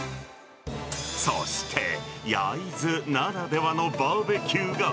そして、焼津ならではのバーベキューが。